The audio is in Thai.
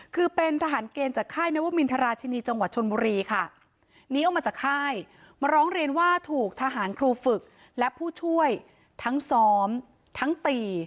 คือเป็นทหารเกณฑ์จากค่ายนวมินทราชินีจังหวัดชนบุรีค่ะหนีออกมาจากค่ายมาร้องเรียนว่าถูกทหารครูฝึกและผู้ช่วยทั้งซ้อมทั้งตี